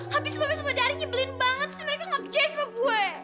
habis habis pada hari ini beliin banget sih mereka ngak jahit sama gue